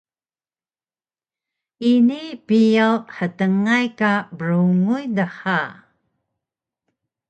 Ini biyaw htngay ka brunguy dha